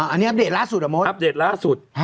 อันนี้อัปเดตล่าสุดหรอโมท